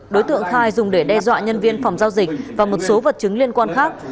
đối tượng khai dùng để đe dọa nhân viên phòng giao dịch và một số vật chứng liên quan khác